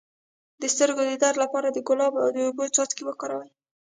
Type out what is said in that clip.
د سترګو د درد لپاره د ګلاب او اوبو څاڅکي وکاروئ